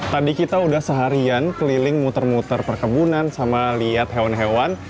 tadi kita udah seharian keliling muter muter perkebunan sama lihat hewan hewan